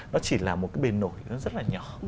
nó chỉ là một cái bền nổi nó rất là nhỏ